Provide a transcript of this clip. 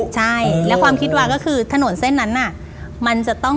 ใช่แล้วความคิดวาก็คือถนนเส้นนั้น